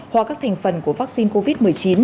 qua các thành phần của vaccine covid một mươi chín